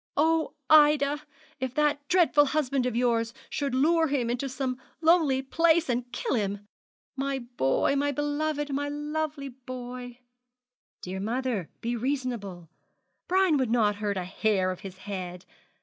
'Oh, Ida, if that dreadful husband of yours should lure him into some lonely place, and kill him! My boy, my beloved, my lovely boy!' 'Dear mother, be reasonable. Brian would not hurt a hair of his head.